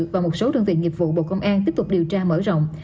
và một số đơn vị nghiệp vụ bộ công an tiếp tục điều tra mở rộng